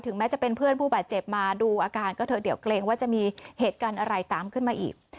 แม้จะเป็นเพื่อนผู้บาดเจ็บมาดูอาการก็เถอะเดี๋ยวเกรงว่าจะมีเหตุการณ์อะไรตามขึ้นมาอีก